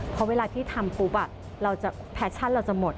เพราะเวลาที่ทำปุ๊บแพชชั่นเราจะหมด